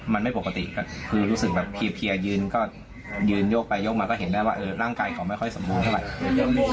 มันไม่ปกติก็คือรู้สึกแบบเพียยืนก็ยืนโยกไปโยกมาก็เห็นได้ว่าร่างกายเขาไม่ค่อยสมบูรณเท่าไหร่